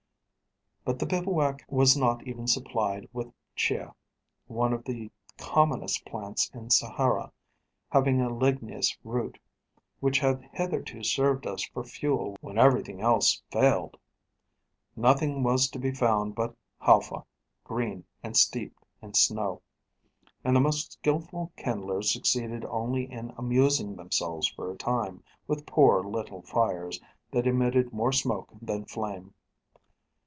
But the bivouac was not even supplied with chiah one of the commonest plants in Sahara, having a ligneous root, which had hitherto served us for fuel when everything else failed. Nothing was to be found but halfa, green, and steeped in snow; and the most skilful kindlers succeeded only in amusing themselves for a time with poor, little fires, that emitted more smoke than flame.